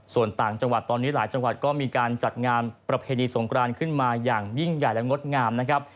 ส่วนต่างจังหวัดตอนนี้หลายจังหวัดก็มีการจัดงานประเพณีสงครานขึ้นมาอย่างยิ่งใหญ่และงดงามนะครับ